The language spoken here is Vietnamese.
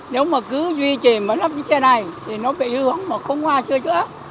nếu mà cứ duy trì mà lắp cái xe này thì nó bị hư hóng mà không qua sửa chữa